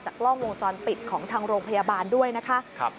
กล้องวงจรปิดของทางโรงพยาบาลด้วยนะคะ